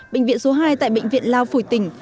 bệnh viện số hai tại bệnh viện lao phủ tỉnh